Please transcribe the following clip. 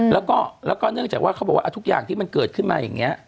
แล้วก็เนื่องจากว่าเขาบอกว่าทุกอย่างที่มันเกิดขึ้นมาอย่างนี้